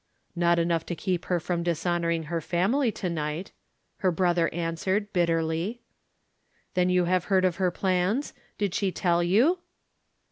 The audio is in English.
" "Not enough to keep her from dishonoring her family to night," her brother answered, bit terly. " Then you have heard of her plans ? Did she tell you?"